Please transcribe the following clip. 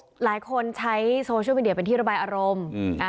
หลายคนใช้โซเชียลมีเดียเป็นที่ระบายอารมณ์